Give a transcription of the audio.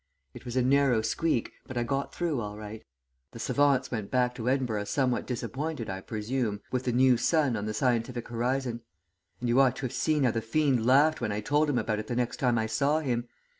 It was a narrow squeak, but I got through all right. The savants went back to Edinburgh somewhat disappointed, I presume, with the new sun on the scientific horizon. And you ought to have seen how the fiend laughed when I told him about it the next time I saw him!